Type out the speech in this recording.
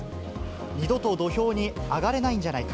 二度と土俵に上がれないんじゃないか。